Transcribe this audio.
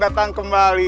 selamat datang kembali